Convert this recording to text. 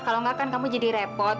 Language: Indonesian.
kalau enggak kan kamu jadi repot